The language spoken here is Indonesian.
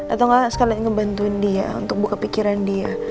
apa sekalian ngebantuin dia untuk buka pikiran dia